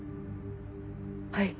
はい。